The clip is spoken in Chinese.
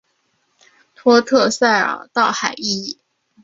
托特塞尔道海伊。